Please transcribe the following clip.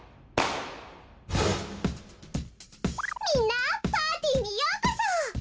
みんなパーティーにようこそ！